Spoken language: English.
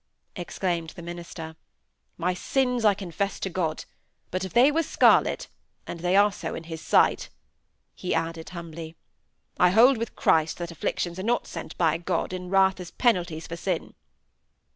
exclaimed the minister. "My sins I confess to God. But if they were scarlet (and they are so in His sight)," he added, humbly, "I hold with Christ that afflictions are not sent by God in wrath as penalties for sin."